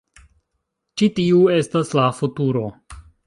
Ĉi tiu estas la futuro.